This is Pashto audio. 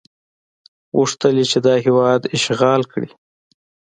غوښتل یې چې دا هېواد اشغال کړي.